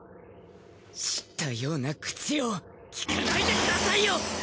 知ったような口をきかないでくださいよ！